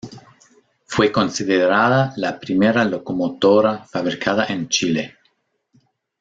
Fue considerada la primera locomotora fabricada en Chile.